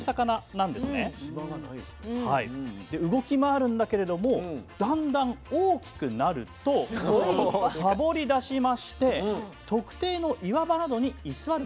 で動き回るんだけれどもだんだん大きくなるとさぼりだしまして特定の岩場などに居座るものが出てきます。